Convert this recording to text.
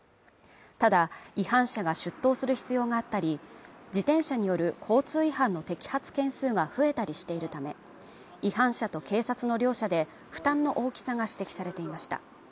ただ違反者が出頭する必要があったり自転車による交通違反の摘発件数が増えたりしているため違反者と警察の両者で負担の大きさが指摘されていました